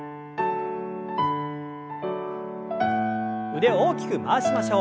腕を大きく回しましょう。